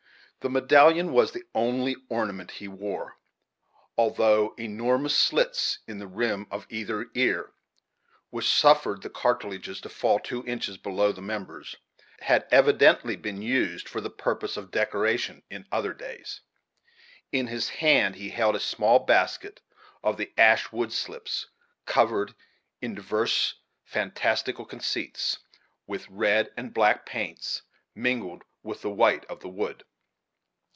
The medallion was the only ornament he wore, although enormous slits in the rim of either ear, which suffered the cartilages to fall two inches below the members, had evidently been used for the purposes of decoration in other days in his hand he held a small basket of the ash wood slips, colored in divers fantastical conceits, with red and black paints mingled with the white of the wood.